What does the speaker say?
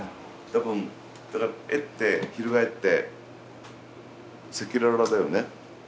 多分だから絵って翻って赤裸々だよね。